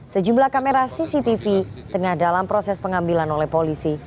sejumlah kamera cctv tengah dalam proses pengambilan oleh polisi